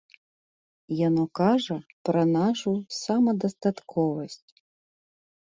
Яно кажа пра нашу самадастатковасць.